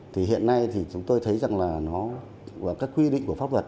thì hiện nay thì chúng tôi thấy rằng là nó và các quy định của pháp luật